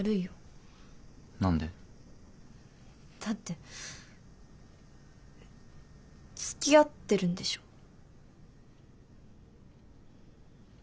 だってつきあってるんでしょ？